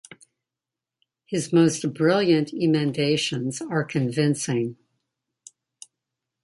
His most brilliant emendations are convincing.